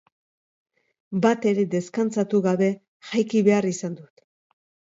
Batere deskantsatu gabe jaiki behar izan dut.